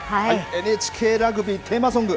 ＮＨＫラグビーテーマソング